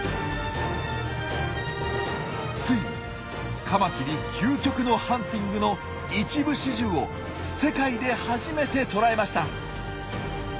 ついにカマキリ究極のハンティングの一部始終を世界で初めて捉えました！